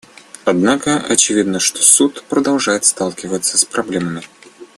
Однако очевидно, что Суд продолжает сталкиваться с проблемами.